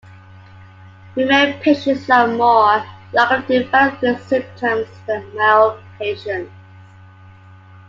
Female patients are more likely to develop these symptoms than male patients.